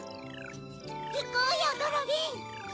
いこうよドロリン。